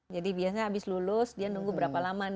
jadi biasanya habis lulus dia nunggu berapa lama